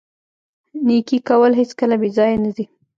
نیکي کول هیڅکله بې ځایه نه ځي.